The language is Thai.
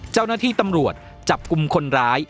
เจ้าหน้าที่ตำรวจจับกลุ่มคนร้าย